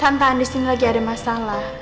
tante andis ini lagi ada masalah